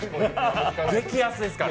激安ですから。